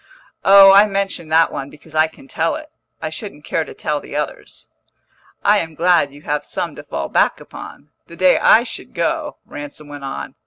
"Oh, I mention that one because I can tell it. I shouldn't care to tell the others." "I am glad you have some to fall back upon, the day I should go," Ransom went on.